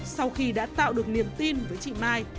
sau khi đã tạo được niềm tin với chị mai